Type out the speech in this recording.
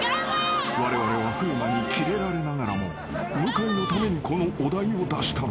［われわれは風磨にキレられながらも向井のためにこのお題を出したのだ］